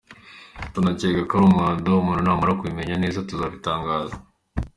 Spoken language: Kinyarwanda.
Tunakeka ko ari umwanda, umuntu namara kubimenya neza tuzabitangaza“.